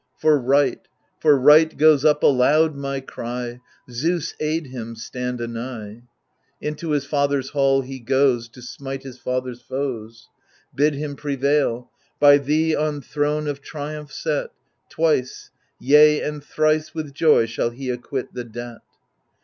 For right, for right goes up aloud my cry — Zeus, aid him, stand anigh ! Into his father's hall he goes To smite his father's foes. Bid him prevail 1 by thee on throne of triumph set, Twice, yea and thrice with joy shall he acquit the debt.